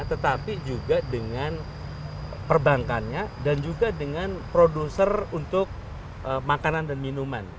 tetapi juga dengan perbankannya dan juga dengan produser untuk makanan dan minuman